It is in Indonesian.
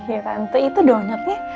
ya tante itu donatnya